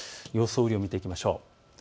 雨量を見ていきましょう。